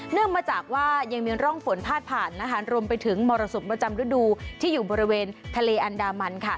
มาจากว่ายังมีร่องฝนพาดผ่านรวมไปถึงมรสุมประจำฤดูที่อยู่บริเวณทะเลอันดามันค่ะ